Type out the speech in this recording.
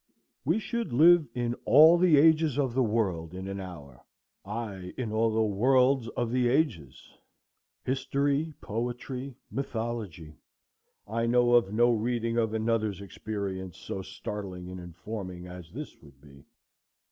We should live in all the ages of the world in an hour; ay, in all the worlds of the ages. History, Poetry, Mythology!—I know of no reading of another's experience so startling and informing as this would be.